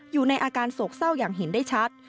อยู่ในอาการโศกเศร้าอย่างเห็นได้ชัด